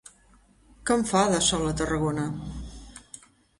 Que en fa, de sol, a Tarragona!